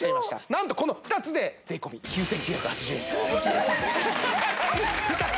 なんとこの２つで税込９９８０円２つ